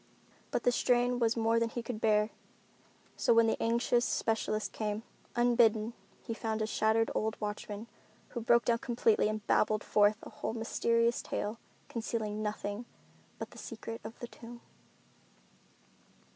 But the strain was more than he could bear. So when the anxious specialist came, unbidden, he found a shattered old watchman who broke down completely and babbled forth the whole mysterious tale, concealing nothing but the secret of the tomb.